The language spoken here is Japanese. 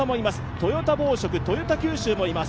トヨタ紡織、トヨタ九州もいます。